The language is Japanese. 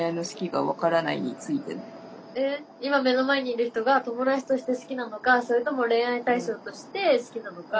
えっ今目の前にいる人が友達として好きなのかそれとも恋愛対象として好きなのか。